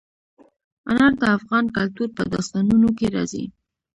انار د افغان کلتور په داستانونو کې راځي.